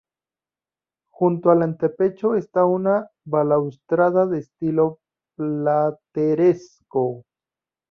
Junto al antepecho está una balaustrada de estilo plateresco.